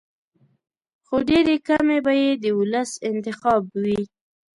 خو ډېرې کمې به یې د ولس انتخاب وي.